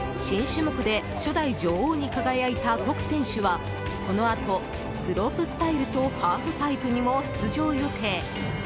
新種目で初代女王に輝いたコク選手はこのあと、スロープスタイルとハーフパイプにも出場予定。